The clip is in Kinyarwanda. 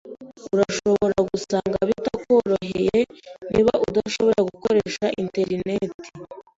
Urashobora gusanga bitakoroheye niba udashobora gukoresha interineti.